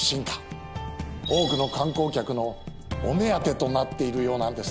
多くの観光客のお目当てとなっているようなんです。